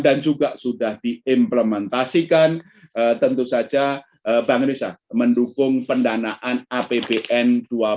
dan bagaimana bank indonesia berpartisipasi dalam pendanaan apbn